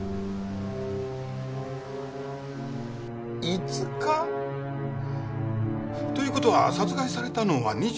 ５日？という事は殺害されたのは２３日。